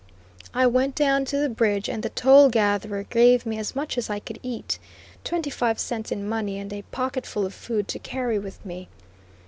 I went down to the bridge and the toll gatherer gave me as much as I could eat, twenty five cents in money, and a pocket full of food to carry with me.